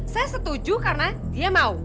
saya setuju karena dia mau